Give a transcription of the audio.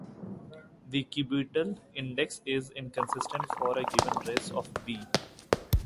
The cubital index is consistent for a given race of bee.